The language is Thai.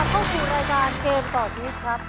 เข้าสู่รายการเกมต่อชีวิตครับ